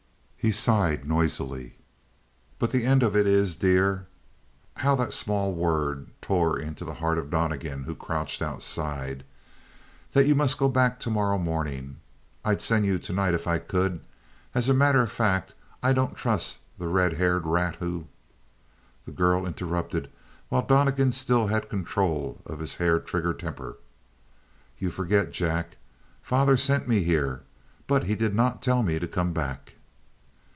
He sighed noisily. "But the end of it is, dear" how that small word tore into the heart of Donnegan, who crouched outside "that you must go back tomorrow morning. I'd send you tonight, if I could. As a matter of fact, I don't trust the red haired rat who " The girl interrupted while Donnegan still had control of his hair trigger temper. "You forget, Jack. Father sent me here, but he did not tell me to come back."